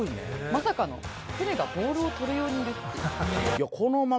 まさかの船がボールを取る用にいるっていう。